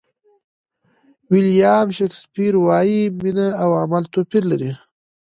ویلیام شکسپیر وایي مینه او عمل توپیر لري.